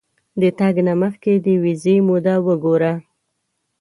د تګ نه مخکې د ویزې موده وګوره.